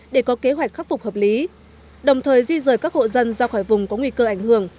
để có kế hoạch khắc phục hợp lý đồng thời di rời các hộ dân ra khỏi vùng có nguy cơ ảnh hưởng